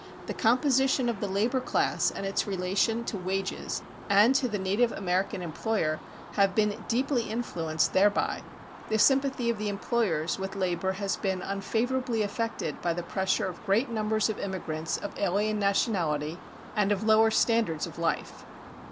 The composition of the labor class and its relation to wages and to the native American employer have been deeply influenced thereby; the sympathy of the employers with labor has been unfavorably affected by the pressure of great numbers of immigrants of alien nationality and of lower standards of life.